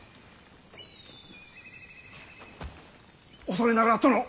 恐れながら殿！